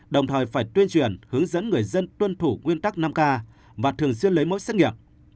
đồng thời phải tuyên truyền hướng dẫn người dân tuân thủ nguyên tắc năm k và thường xuyên lấy mẫu xét nghiệm